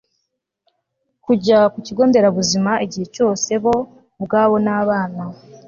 kujya ku kigo nderabuzima igihe cyose bo ubwabo n abana